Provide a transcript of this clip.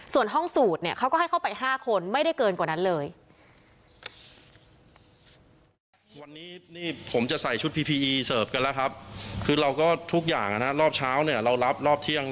ส่วนห้องสูตรเนี่ยเขาก็ให้เข้าไป๕คนไม่ได้เกินกว่านั้นเลย